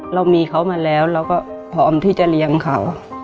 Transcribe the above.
เรามีเขามาแล้วเราก็พร้อมที่จะเลี้ยงเขา